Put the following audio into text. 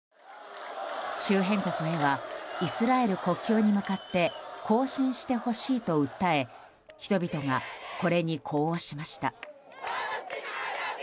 周辺国へはイスラエル国境に向かって行進してほしいと訴え人々が、これに呼応しました。